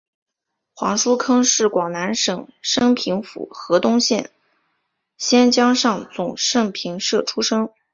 黄叔沆是广南省升平府河东县仙江上总盛平社出生。